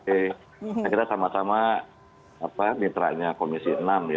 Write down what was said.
akhirnya sama sama mitra komisi enam